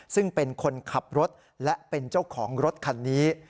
ซึ่งเป็นคนขับรถและเป็นเจ้าของรถคันนี้